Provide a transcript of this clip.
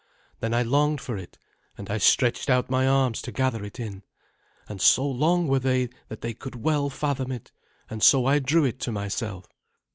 Then I longed for it, and I stretched out my arms to gather it in, and so long were they that they could well fathom it, and so I drew it to myself.